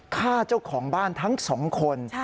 ฆ่าเจ้าของบ้านทั้งสองคน